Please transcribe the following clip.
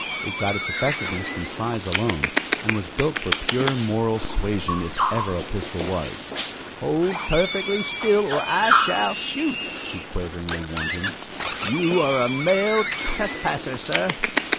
It got its effectiveness from size alone, and was built for pure moral suasion if ever a pistol was. "Hold perfectly still or I shall shoot," she quaveringly warned him. "You are a male trespasser, sir!"